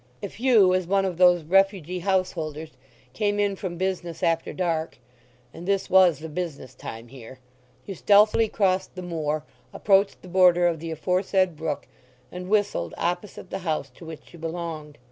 If you, as one of those refugee householders, came in from business after dark—and this was the business time here—you stealthily crossed the moor, approached the border of the aforesaid brook, and whistled opposite the house to which you belonged.